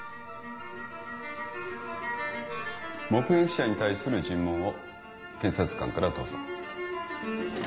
目撃者に対する尋問を検察官からどうぞ。